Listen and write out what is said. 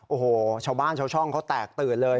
โอ้โหชาวบ้านชาวช่องเขาแตกตื่นเลย